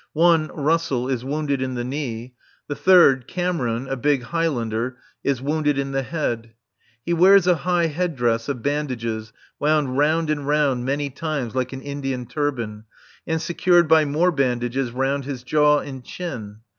One, Russell, is wounded in the knee. The third, Cameron, a big Highlander, is wounded in the head. He wears a high headdress of bandages wound round and round many times like an Indian turban, and secured by more bandages round his jaw and chin.